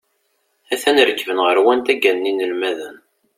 A-t-an rekben ɣer wanda gganen yinelmaden.